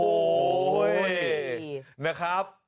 วุ้ยนั่นครับ